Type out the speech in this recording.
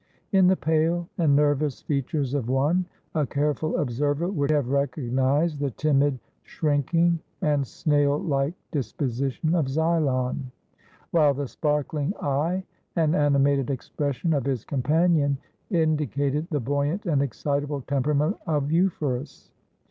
In the pale and nerv ous features of one, a careful observer would have recognized the timid, shrinking, and snail like disposi tion of Xylon; while the sparkling eye and animated expression of his companion indicated the buoyant and excitable temperament of Euphorus.